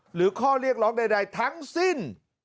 หรือข้อเรียกร้องใดทั้งสิ้น